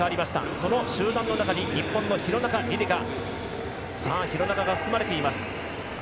その集団の中に日本の廣中璃梨佳が含まれています。